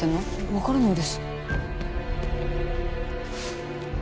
わからないです。